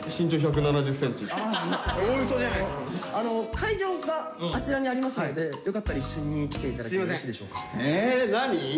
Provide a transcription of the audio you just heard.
会場があちらにありますのでよかったら一緒に来て頂いてよろしいでしょうか？